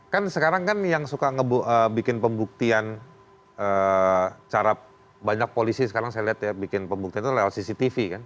kan sekarang kan yang suka bikin pembuktian cara banyak polisi sekarang saya lihat ya bikin pembuktian itu lewat cctv kan